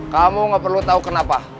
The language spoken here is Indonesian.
kamu gak perlu tahu kenapa